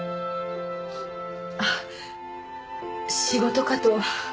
あっ仕事かと。